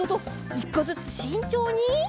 １こずつしんちょうに。